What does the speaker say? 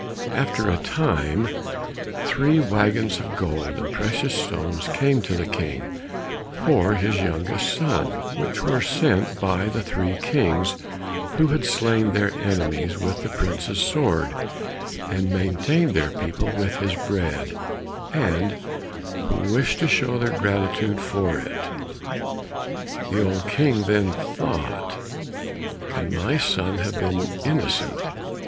After a time three waggons of gold and precious stones came to the King for his youngest son, which were sent by the three Kings who had slain their enemies with the prince's sword, and maintained their people with his bread, and who wished to show their gratitude for it. The old King then thought, "Can my son have been innocent?"